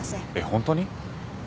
ホントに？